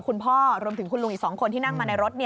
คุณพ่อรวมถึงคุณลุงอีก๒คนที่นั่งมาในรถ